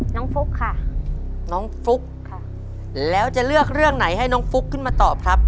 ฟุ๊กค่ะน้องฟลุ๊กค่ะแล้วจะเลือกเรื่องไหนให้น้องฟุ๊กขึ้นมาตอบครับ